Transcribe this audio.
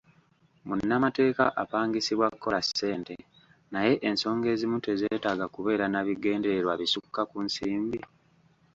Munnamateeka apangisibwa kola ssente, naye ensonga ezimu tezeetaaga kubeera na bigendererwa bisukka ku nsimbi?